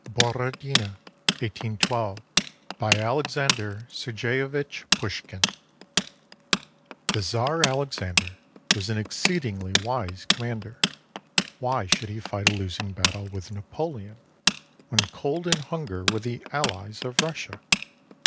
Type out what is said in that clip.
BORODINO BY ALEXANDER SERGEYEVITCH PUSHKIN [The Czar Alexander was an exceedingly wise commander. Why should he fight a losing battle with Napoleon when cold and hunger were the allies of Russia?